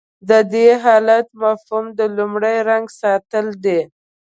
د دې حالت مفهوم د لومړي رنګ ساتل دي.